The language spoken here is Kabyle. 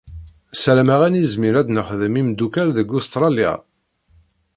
Ssarameɣ ad nizmir ad d-nexdem imeddukkal deg Ustṛaliya.